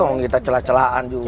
kagang kita celah celaan juga